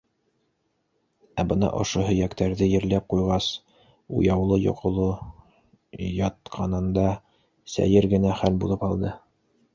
Ә бына ошо һөйәктәрҙе ерләп ҡуйғас, уяулы-йоҡоло ятҡанында сәйер генә хәл булып алды.